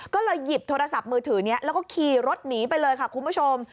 ก็เลยหยิบโทรศัพท์มือถือนี้แล้วก็ขี่รถหนีไปเลยค่ะคุณผู้ชม